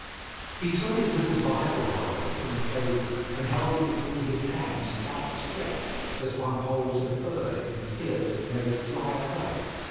He took his little Bible, however, from the table, and held it between his hands outstretched, as one holds a bird in fear that it may fly away.